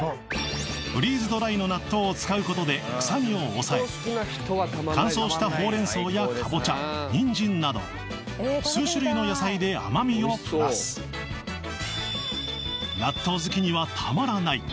フリーズドライの納豆を使うことで臭みを抑え乾燥したほうれんそうやかぼちゃにんじんなど数種類の野菜で甘みをプラス納豆好きにはたまらない